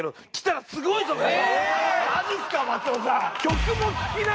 マジっすか松尾さん。